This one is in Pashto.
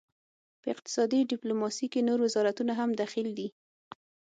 په اقتصادي ډیپلوماسي کې نور وزارتونه هم دخیل دي